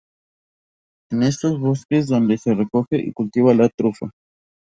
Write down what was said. Es en estos bosques donde se recoge y cultiva la trufa.